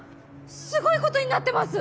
すごいことになってます！